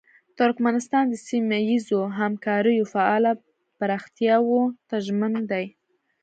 ترکمنستان د سیمه ییزو همکاریو فعاله پراختیاوو ته ژمن دی.